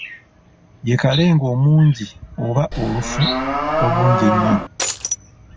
Ye Kalenge omungi oba olufu olungi ennyo.